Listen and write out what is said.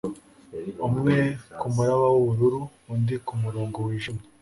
umwe kumuraba wubururu, undi kumurongo wijimye